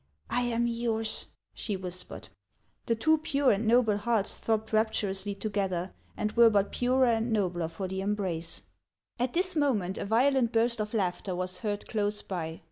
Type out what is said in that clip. " I am yours," she whispered. The two pure and noble hearts throbbed rapturously to gether, and were but purer and nobler for the embrace. At this moment a violent burst of laughter was heard close by.